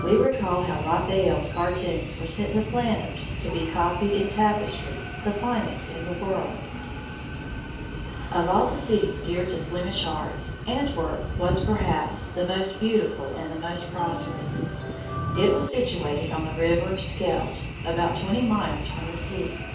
We recall how Raphael's cartoons were sent to Flanders to be copied in tapestry the finest in the world. [Illustration: RUBENS' MOTHER Rubens] Of all the cities dear to Flemish hearts Antwerp was, perhaps, the most beautiful and the most prosperous. It was situated on the river Scheldt about twenty miles from the sea.